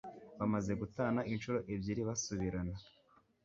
Bamaze gutana inshuro ebyiri basubirana